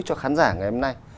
cho khán giả ngày hôm nay